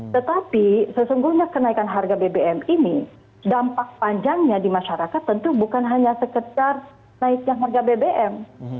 tetapi sesungguhnya kenaikan harga bbm ini dampak panjangnya di masyarakat tentu bukan hanya sekedar naiknya harga bbm